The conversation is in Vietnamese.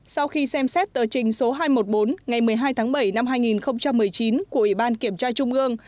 sau khi xem xét tờ trình số hai trăm một mươi bốn ngày một mươi hai tháng bảy năm hai nghìn một mươi chín của ủy ban kiểm tra trung ương